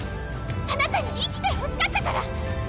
あなたに生きてほしかったから！